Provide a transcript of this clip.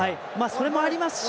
それもありますし